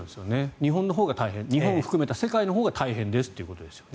日本のほう大変日本を含めた世界のほうが大変ということですよね。